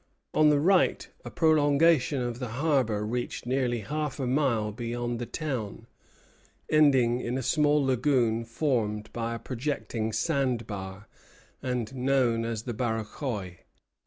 On the right, a prolongation of the harbor reached nearly half a mile beyond the town, ending in a small lagoon formed by a projecting sandbar, and known as the Barachois.